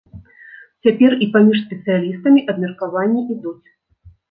Цяпер і паміж спецыялістамі абмеркаванні ідуць.